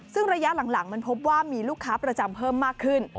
ซึ่งระยะหลังมันพบว่ามีลูกค้าประจำเพิ่มมากขึ้น